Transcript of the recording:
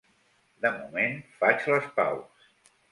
De moment, faig les paus.